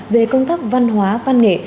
về công tác văn hóa văn nghệ